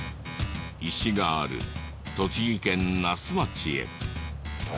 石がある栃木県那須町へ。